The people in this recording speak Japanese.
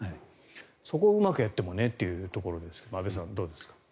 そこをうまくやってもねというところなんですが安部さん、どうでしょう。